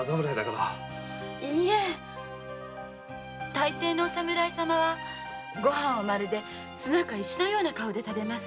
たいていのお侍様は御飯をまるで砂か石のような顔で食べます。